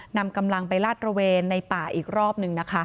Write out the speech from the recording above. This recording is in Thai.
นำกำลังไปลาดระเวนในป่าอีกรอบหนึ่งนะคะ